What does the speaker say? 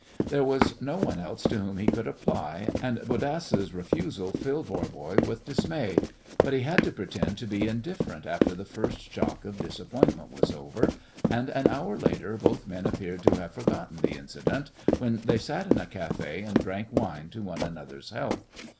There was no one else to whom he could apply, and Bodasse's refusal filled Voirbo with dismay, but he had to pretend to be indifferent after the first shock of disappointment was over, and an hour later both men appeared to have forgotten the incident when they sat in a café and drank wine to one another's health.